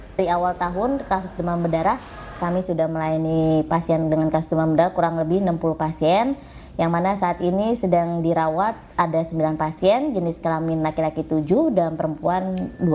dari awal tahun kasus demam berdarah kami sudah melayani pasien dengan kasus demam berdarah kurang lebih enam puluh pasien yang mana saat ini sedang dirawat ada sembilan pasien jenis kelamin laki laki tujuh dan perempuan dua